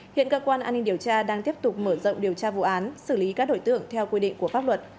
hiện cơ quan an ninh điều tra đang tiếp tục mở rộng điều tra vụ án xử lý các đổi tượng theo quy định của pháp luật